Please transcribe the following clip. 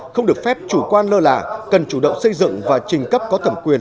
không được phép chủ quan lơ là cần chủ động xây dựng và trình cấp có thẩm quyền